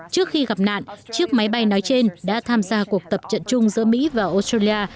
trước khi gặp nạn chiếc máy bay nói trên đã tham gia cuộc tập trận chung giữa mỹ và australia